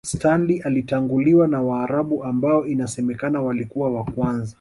Stanley alitanguliwa na Waarabu ambao inasemakana walikuwa wa kwanza